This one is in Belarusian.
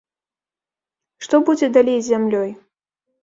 Што будзе далей з зямлёй?